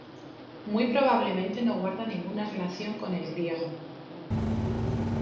Muy probablemente no guarda ninguna relación con el griego.